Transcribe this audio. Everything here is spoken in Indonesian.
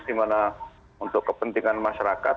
dimana untuk kepentingan masyarakat